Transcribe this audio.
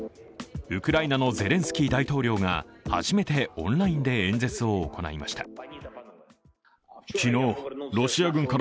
ウクライナのゼレンスキー大統領が初めてオンラインで演説を行いました。